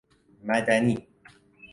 مدنی